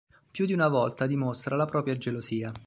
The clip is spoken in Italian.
Più di una volta dimostra la propria gelosia.